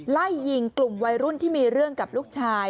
ไล่ยิงกลุ่มวัยรุ่นที่มีเรื่องกับลูกชาย